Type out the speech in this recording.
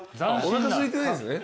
おなかすいてないんですね。